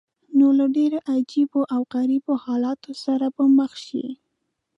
نو له ډېرو عجیبه او غریبو حالاتو سره به مخ شې.